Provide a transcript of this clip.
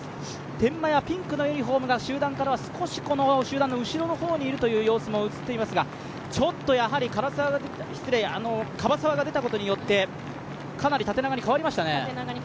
天満屋、ピンクのユニフォームは、集団からは少し後ろの方に映っていますが、ちょっと樺沢が出たことによって、かなり縦長に変わりましたね。